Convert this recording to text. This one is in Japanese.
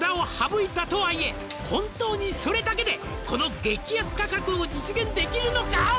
「本当にそれだけでこの激安価格を実現できるのか？」